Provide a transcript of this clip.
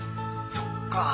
そっか